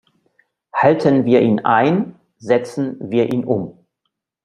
Halten wir ihn ein, setzen wir ihn um!